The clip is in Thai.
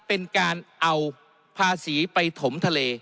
เป็นการเอาภาษีไปถมทะเล